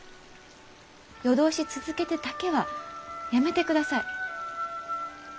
夜通し続けてだけはやめてください。